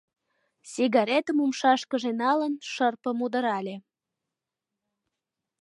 Сигаретым умшашкыже налын, шырпым удырале.